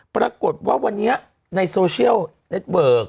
ปรากฏว่าวันนี้ในโซเชียลเน็ตเวิร์ก